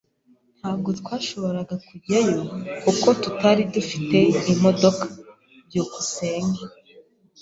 Ntabwo twashoboraga kujyayo kuko tutari dufite imodoka. byukusenge